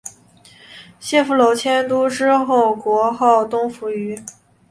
解夫娄迁都之后国号东扶余。